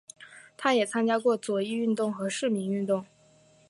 他也参加过左翼运动和市民运动。